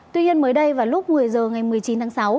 tuy nhiên mới đây vào lúc một mươi h ngày một mươi chín tháng sáu